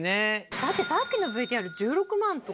だってさっきのＶＴＲ１６万とか。